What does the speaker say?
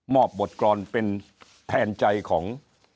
มอบบทกรณ์เป็นแทนใจของ